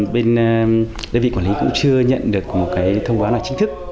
bên đơn vị quản lý cũng chưa nhận được một thông báo chính thức